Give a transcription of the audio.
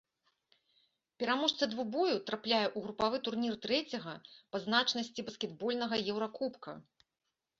Пераможца двубою трапляе ў групавы турнір трэцяга па значнасці баскетбольнага еўракубка.